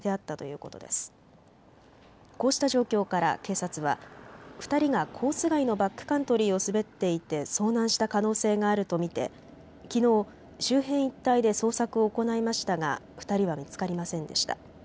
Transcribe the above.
こうした状況から警察は２人がコース外のバックカントリーを滑っていて遭難した可能性があると見て、きのう周辺一帯で捜索を行いましたが２人は見つかりませんでした。